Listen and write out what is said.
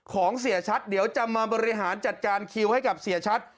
เสียชัดเดี๋ยวจะมาบริหารจัดการคิวให้กับเสียชัด